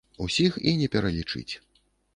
Усіх і не пералічыць.